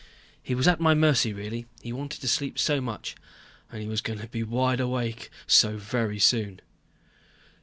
He was at my mercy, really. He wanted sleep so much. And he was going to be wide awake so very soon.